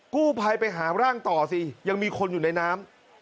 กู้ภัยไปหาร่างต่อสิยังมีคนอยู่ในน้ำ